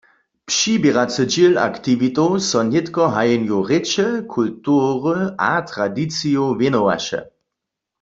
Přiběracy dźěl aktiwitow so nětko hajenju rěče, kultury a tradicijow wěnowaše.